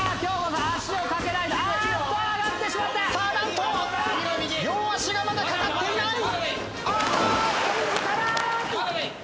何と両足がまだ掛かっていない！